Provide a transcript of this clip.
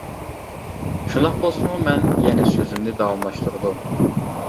شۇنداق بولسىمۇ، مەن يەنە سۆزۈمنى داۋاملاشتۇردۇم.